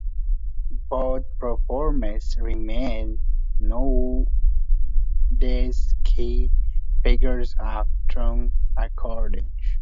Both performers remain nowadays key figures of trikiti accordion.